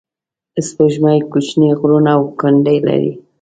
سپوږمۍ کوچنۍ غرونه او کندې لري